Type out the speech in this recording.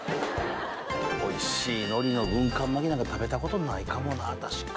おいしい海苔の軍艦巻きなんか食べたことないかもな確かに。